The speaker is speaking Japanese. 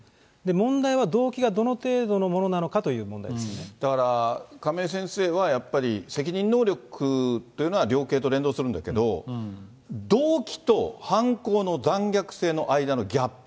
問題は動機がどの程度のものなのだから、亀井先生はやっぱり責任能力というのは、量刑と連動するんだけど、動機と犯行の残虐性の間のギャップ。